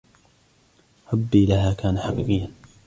حبي لها كان حقيقياً.